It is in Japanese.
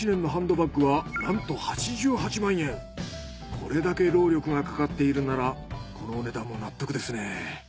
これだけ労力がかかっているならこのお値段も納得ですね。